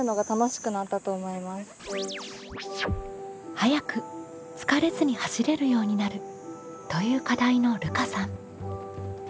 「速く疲れずに走れるようになる」という課題のるかさん。